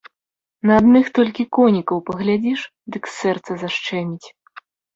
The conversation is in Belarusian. На адных толькі конікаў паглядзіш, дык сэрца зашчэміць.